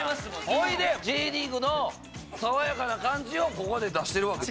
ほいでＪリーグの爽やかな感じをここで出してるわけです。